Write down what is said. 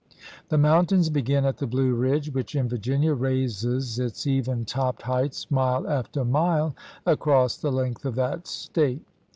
The mountains begin at the Blue Ridge, which in Virginia raises its even topped heights mile after mile across the length of that State.